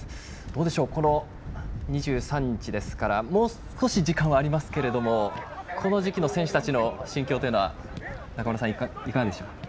どうでしょう、２３日ですからもう少し時間はありますけれどもこの時期の選手たちの心境は中村さん、いかがでしょう？